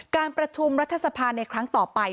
การประชุมรัฐสภาในครั้งต่อไป